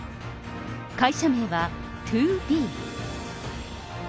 会社名は、ＴＯＢＥ。